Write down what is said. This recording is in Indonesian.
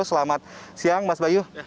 selamat siang mas bayu